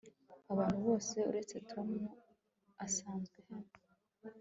Abantu bose uretse Tom asanzwe hano